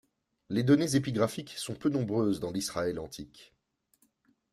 Les données épigraphiques sont peu nombreuses dans l'Israël antique.